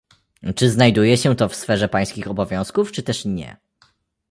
Czy znajduje się to w sferze pańskich obowiązków czy też nie?